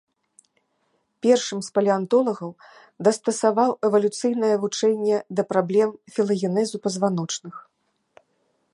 Першым з палеантолагаў дастасаваў эвалюцыйнае вучэнне да праблем філагенезу пазваночных.